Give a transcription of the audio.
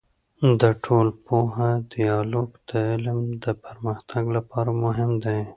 د ټولنپوه ديالوګ د علم د پرمختګ لپاره مهم دی.